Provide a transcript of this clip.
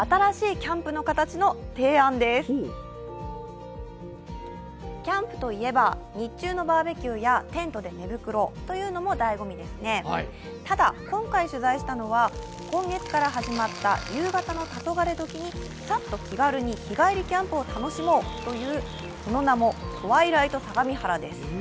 キャンプといえば、日中のバーベキューやテントで寝袋というのもだいご味ですね、ただ今回取材したのは今月から始まった夕方のたそがれどきにさっと気軽に日帰りキャンプを楽しもうという、その名もトワイライト相模原です。